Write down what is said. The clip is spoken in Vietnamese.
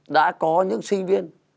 nhiều học sinh viên